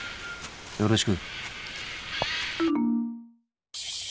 よろしく。